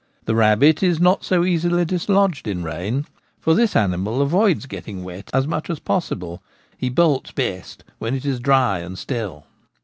The rabbit is not easily dislodged in rain ; for this animal avoids getting wet as much as possible : he ' bolts ' best when it is dry and still.